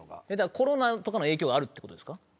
コロナとかの影響があるっていう事ですか？